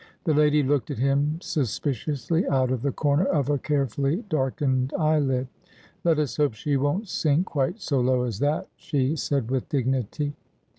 The lady looked at him suspiciously out of the corner of a carefully darkened eyelid. ' Let us hope she won't sink quite so low as that,' she said with dignity.